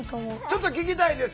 ちょっと聞きたいです